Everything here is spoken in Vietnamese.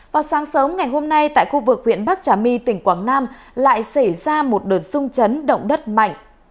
vào sáng sớm ngày hôm nay tại khu vực huyện bắc trà my tỉnh quảng nam lại xảy ra một đợt rung chấn động đất mạnh